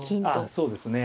そうですね